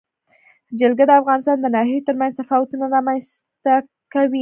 جلګه د افغانستان د ناحیو ترمنځ تفاوتونه رامنځ ته کوي.